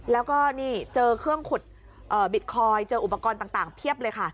แล้วก็นี่เจอเครื่องขุดบิตคอยน์เจออุปกรณ์ต่างเพียบเลยค่ะ